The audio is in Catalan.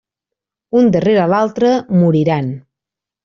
Un darrere l'altre, moriran.